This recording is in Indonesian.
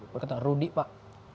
berkata rudi pak